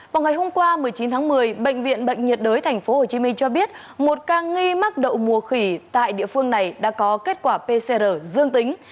vào ngày hôm qua một mươi chín tháng một mươi bệnh viện bệnh nhiệt đới tp hcm cho biết một ca nghi mắc đậu mùa khỉ tại địa phương này đã có kết quả pcr dương tính